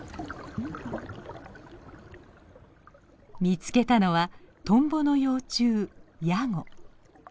見つけたのはトンボの幼虫ヤゴ。